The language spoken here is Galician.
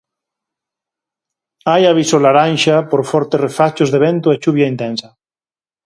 Hai aviso laranxa por fortes refachos de vento e chuvia intensa.